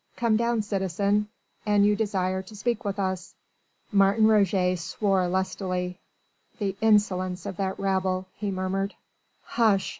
"Come down, citizen, an you desire to speak with us." Martin Roget swore lustily. "The insolence of that rabble ..." he murmured. "Hush!